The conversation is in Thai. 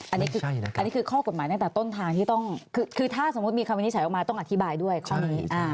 อันนี้คืออันนี้คือข้อกฎหมายตั้งแต่ต้นทางที่ต้องคือถ้าสมมุติมีคำวินิจฉัยออกมาต้องอธิบายด้วยข้อนี้